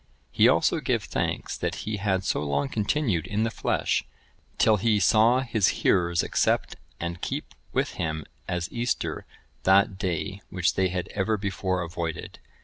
He also gave thanks that he had so long continued in the flesh, till he saw his hearers accept and keep with him as Easter that day which they had ever before avoided.